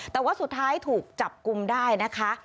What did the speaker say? แต่ว่าสุดท้ายถูกจับกลุ่มได้นะคะ